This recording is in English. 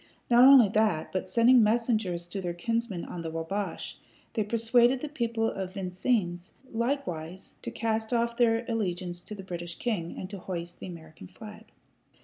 Not only that, but sending messengers to their kinsmen on the Wabash, they persuaded the people of Vincennes likewise to cast off their allegiance to the British king, and to hoist the American flag.